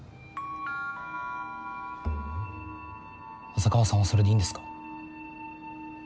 浅川さんはそれでいいんですか？